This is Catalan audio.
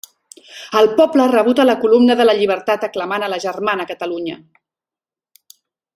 El poble ha rebut a la columna de la llibertat aclamant a la germana Catalunya.